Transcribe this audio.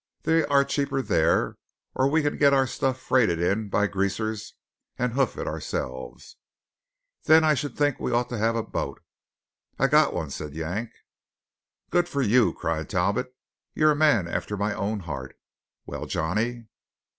"They are cheaper there; or we can get our stuff freighted in by Greasers and hoof it ourselves." "Then I should think we ought to have a boat." "I got one," said Yank. "Good for you!" cried Talbot. "You're a man after my own heart! Well, Johnny?"